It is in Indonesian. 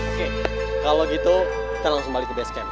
oke kalau gitu kita langsung balik ke base camp